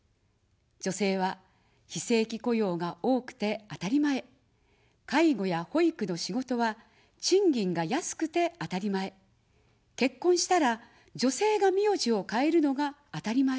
女性は非正規雇用が多くてあたりまえ、介護や保育の仕事は賃金が安くてあたりまえ、結婚したら、女性が名字を変えるのがあたりまえ。